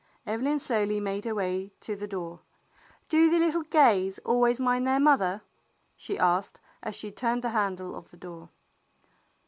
Evelyn slowly made her way to the door. "Do the little Gays always mind their mother?" she asked, as she turned the handle of the door.